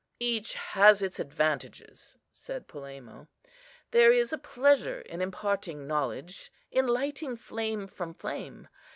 "Each has its advantages," said Polemo; "there is a pleasure in imparting knowledge, in lighting flame from flame.